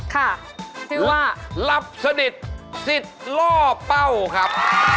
ค่ะคือว่ารับสนิทสิทธิ์ล่อเป้าครับ